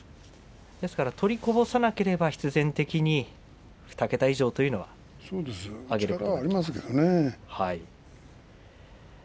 ですから取りこぼさなければ必然的に２桁以上というのは取れるはずですよね。